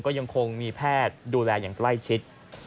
ก็ยังคงมีแพทย์ดูแลอย่างใกล้ชิด